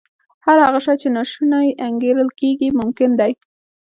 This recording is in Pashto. هر هغه شی چې ناشونی انګېرل کېږي ممکن دی